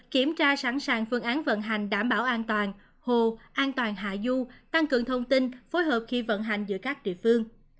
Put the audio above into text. kiểm tra sẵn sàng phương án vận hành đảm bảo an toàn hồ an toàn hạ du tăng cường thông tin phối hợp khi vận hành giữa các địa phương